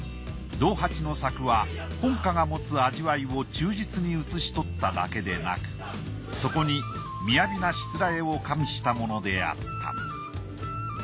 道八の作は本科が持つ味わいを忠実に写し取っただけでなくそこにみやびなしつらえを加味したものであった。